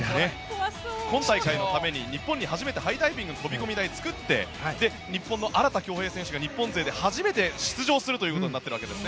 今大会のために日本に初めてハイダイビングの飛込台を作って日本の荒田恭兵選手が日本勢で初めて出場することになっているわけです。